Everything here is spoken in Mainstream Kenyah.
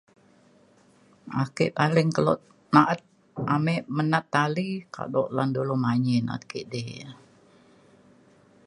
ake paling kelo na’at ame menat tali kado lan dulu manyi na’at kidi ia’